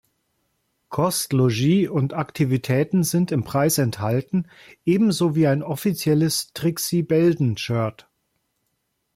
Kost, Logis und Aktivitäten sind im Preis enthalten, ebenso wie ein offizielles Trixie-Belden-Shirt.